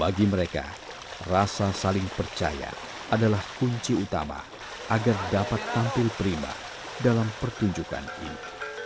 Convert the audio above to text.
bagi mereka rasa saling percaya adalah kunci utama agar dapat tampil prima dalam pertunjukan ini